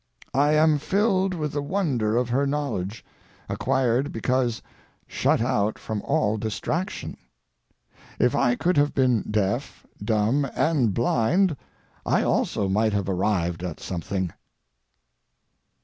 I am filled with the wonder of her knowledge, acquired because shut out from all distraction. If I could have been deaf, dumb, and blind I also might have arrived at something.